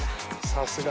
さすが。